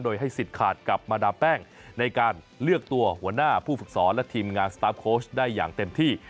โดยให้สิทธิ์ขาดกับมาดามแป้งในการเลือกตัวหัวหน้าผู้ฝึกสอนและทีมงานสตาร์ฟโค้ชได้อย่างเต็มที่